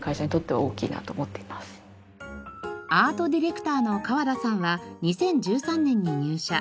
アートディレクターの川田さんは２０１３年に入社。